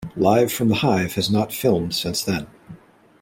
Live From the Hive has not filmed since then.